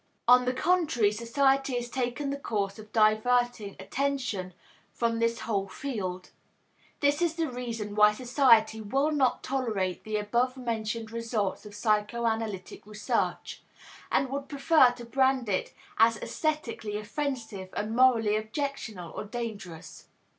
On the contrary, society has taken the course of diverting attention from this whole field. This is the reason why society will not tolerate the above mentioned results of psychoanalytic research, and would prefer to brand it as aesthetically offensive and morally objectionable or dangerous.